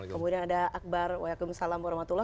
kemudian ada akbar wa'alaikumsalam warahmatullah